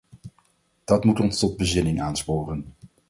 Dat moet ons tot bezinning aansporen.